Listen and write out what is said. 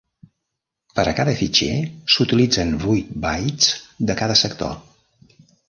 Per a cada fitxer s'utilitzen vuit bytes de cada sector.